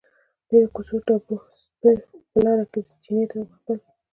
ډېرو کوڅه ډبو سپو په لاره کې دې چیني ته وغپل.